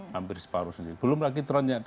hampir separuh sendiri belum lagi trennya